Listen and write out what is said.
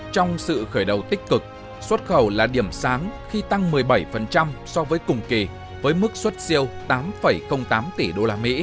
trong sự khởi đầu tích cực xuất khẩu là điểm sáng khi tăng một mươi bảy so với cùng kỳ với mức xuất siêu tám tám tỷ usd